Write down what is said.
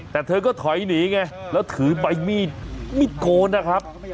แต่เธอก็ถอยหนีไงแล้วถือใบมีดโกนนะครับ